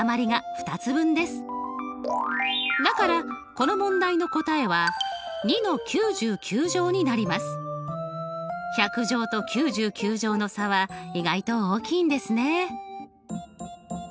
だからこの問題の答えは１００乗と９９乗の差は意外と大きいんですね。